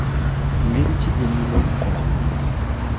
Ngeri ki gyennina okukolamu?